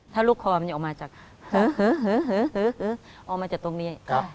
ถ้าลูกคอมันจะออกมาจากออกมาจากตรงนี้